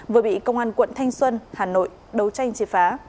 vừa bị công an quận thanh xuân hà nội đấu tranh triệt phá